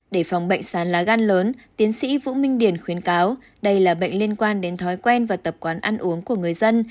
để phòng bệnh sán lá gan lớn tiến sĩ vũ minh điền khuyến cáo đây là bệnh liên quan đến thói quen và tập quán ăn uống của người dân